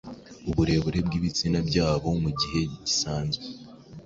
uburebure bw’ibitsina byabo mu gihe gisanzwe